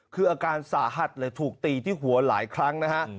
คืออาการสาหัสเลยถูกตีที่หัวหลายครั้งนะฮะ